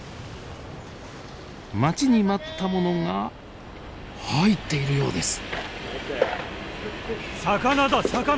待ちに待ったものが入っているようです。